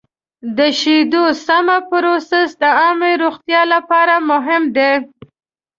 د شیدو سمه پروسس د عامې روغتیا لپاره مهم دی.